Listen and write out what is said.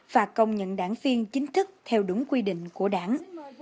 và công nhận đảng viên chính thức theo đúng quy định của đảng